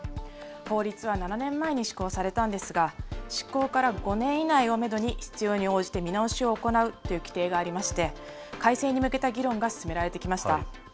法律は７年前に施行されたんですが、施行から５年以内をメドに、必要に応じて見直しを行うという規定がありまして、改正に向けた議論が進められてきました。